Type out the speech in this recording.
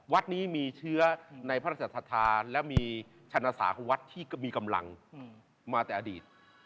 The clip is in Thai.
วัดนี้มีเชื้อในพระราชศรัทธาและมีชนะสาของวัดที่มีกำลังมาแต่อดีต